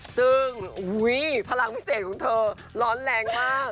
ซึ่งพลังพิเศษของเธอร้อนแรงมาก